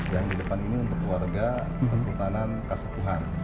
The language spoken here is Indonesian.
yang di depan ini untuk warga kesultanan kasepuhan